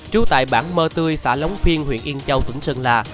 trú tại bản mơ tươi xã lóng phiên huyện yên châu tỉnh sơn la